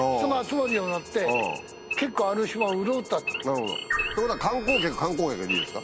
なるほどってことは観光客観光客でいいですか？